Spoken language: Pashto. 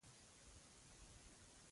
د ښځو لخوا په دریا ښکنځل شوم.